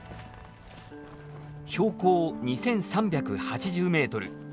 標高２，３８０メートル。